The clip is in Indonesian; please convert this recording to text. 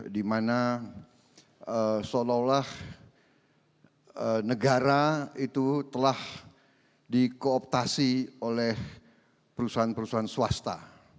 dimana seolah olah negara itu telah dikooptasi oleh perusahaan perusahaan swasta